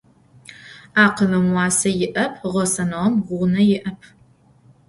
Akhılım vuase yi'ep, ğesenığem ğune yi'ep.